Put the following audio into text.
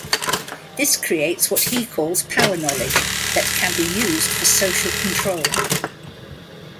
This creates what he calls 'power-knowledge' that can be used for social control.